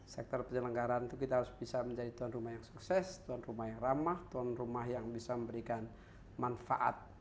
sektor penyelenggaraan itu kita harus bisa menjadi tuan rumah yang sukses tuan rumah yang ramah tuan rumah yang bisa memberikan manfaat